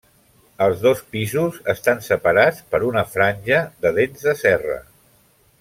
Els dos pisos estan separats per una franja de dents de serra.